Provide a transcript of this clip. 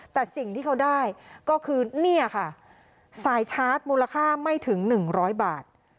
แต่สิ่งที่เขาได้ก็คือเนี่ยค่ะสายชาร์จมูลค่าไม่ถึง๑๐๐บาท